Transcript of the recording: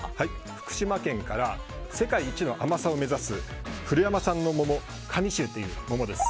福島県から世界一の甘さを目指す古山さんの桃、神秀という桃です。